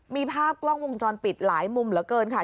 มีภาพกล้องวงจรปิดหลายมุมเหลือเกินค่ะ